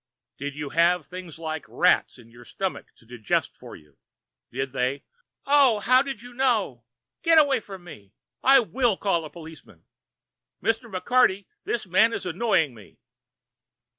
"Did you have things like live rats in your stomach to digest for you? Did they " "Oh! How did you know? Get away from me. I will call a policeman. Mr. McCarty, this man is annoying me."